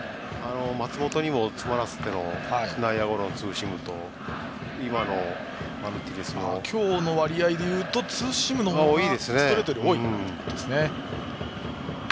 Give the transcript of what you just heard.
松本にも詰まらせての内野ゴロのツーシームと今日の割合で言うとツーシームの方がストレートより多いですね。